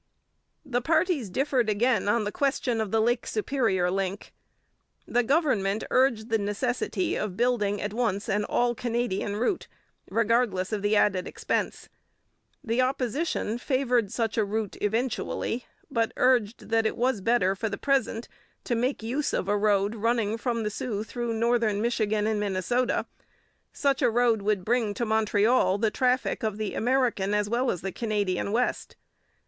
The parties differed, again, on the question of the Lake Superior link. The government urged the necessity of building at once an all Canadian route, regardless of the added expense. The Opposition favoured such a route eventually, but urged that it was better for the present to make use of a road running from the Sault through Northern Michigan and Minnesota. Such a road would bring to Montreal the traffic of the American as well as the Canadian West.